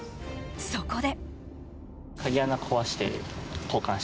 そこで。